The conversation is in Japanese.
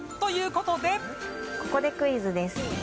ここでクイズです。